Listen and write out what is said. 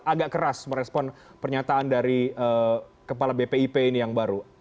agak keras merespon pernyataan dari kepala bpip ini yang baru